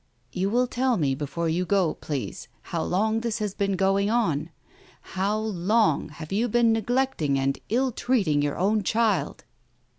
"You will tell me before you go, please, how long this has been going on ? How long have you been neglect ing and ill treating your own child